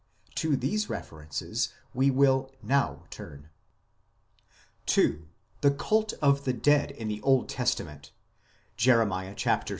To these references we will now turn. II. THE CULT OF THE DEAD IN THE OLD TESTAMENT ; JER.